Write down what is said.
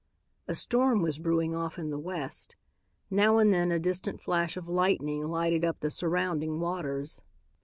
A storm was brewing off in the west. Now and then a distant flash of lightning lighted up the surrounding waters.